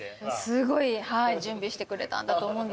すごい準備してくれたんだと思うんですけど。